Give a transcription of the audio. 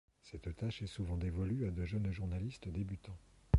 Cette tâche est souvent dévolue à de jeunes journalistes débutants.